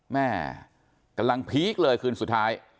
แม่กำลังพีคเลยคืนสุดท้าย